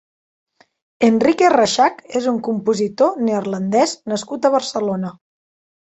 Enrique Raxach és un compositor neerlandès nascut a Barcelona.